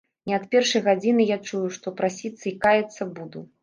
Не ад першай гадзіны я чую, што прасіцца і каяцца буду.